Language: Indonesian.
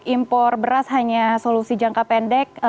impor beras hanya solusi jangka pendek